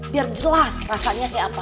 biar jelas rasanya kayak apa